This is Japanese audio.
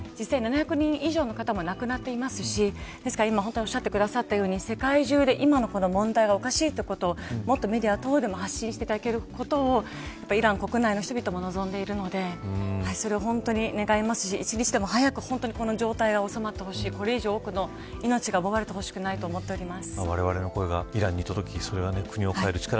実際、７００人以上の方も亡くなくなっていますしですから、今おっしゃってくださったように、世界中でこの問題がおかしいというのをメディア等で発信していきただけることをイラン国内の人々も望んでいるのでそれを本当に願いますし一日でも早くこの状態が収まってほしいとこれ以上多くの命が奪われてほしくないと思っています。